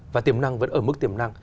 và tiềm năng vẫn ở mức tiềm năng